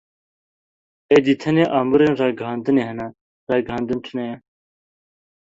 Êdî tenê amûrên ragihandinê hene, ragihandin tune ye.